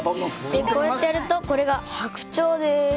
こうやってやるとこれが白鳥です。